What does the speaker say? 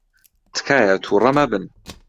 تکایە تووڕە مەبن.